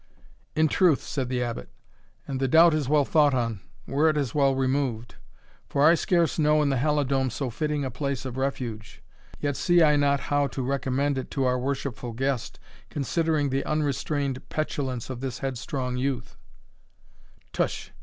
"In truth," said the Abbot, "and the doubt is well thought on, were it as well removed; for I scarce know in the Halidome so fitting a place of refuge, yet see I not how to recommend it to our worshipful guest, considering the unrestrained petulance of this headstrong youth." "Tush!